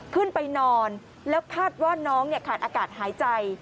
ขึ้นไปนอนแล้วคาดว่าน้องขาดอากาศหายใจ